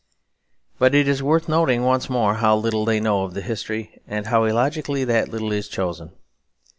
But it is worth noting once more how little they know of the history, and how illogically that little is chosen.